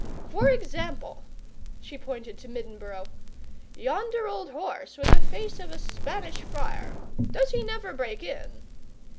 For Is example' she pointed to Middenboro 'yonder old horse, with the face of a Spanish friar does he never break in?